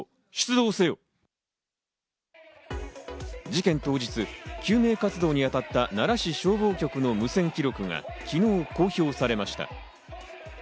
事件当日、救命活動にあたった奈良市消防局の無線記録が昨日、公表されました。